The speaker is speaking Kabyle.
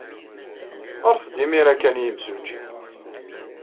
Ɣret-d imir-a kan i yimsujji.